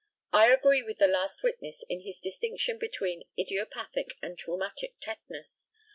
I agree with the last witness in his distinction between idiopathic and traumatic tetanus.